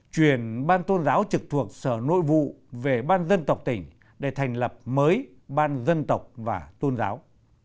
truyền ban tôn giáo trực thuộc sở nội vụ về ban dân tộc tỉnh để thành lập mới ban dân tộc và tôn giáo